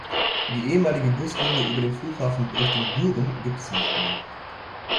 Die ehemalige Buslinie über den Flughafen Richtung Büren gibt es nicht mehr.